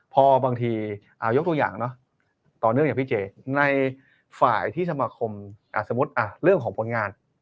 พอบางทียกตัวอย่างเนอะต่อเนื่องอย่างพี่เจในฝ่ายที่สมาคมสมมุติเรื่องของผลงาน